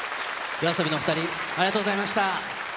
ＹＯＡＳＯＢＩのお２人、ありがとうございました。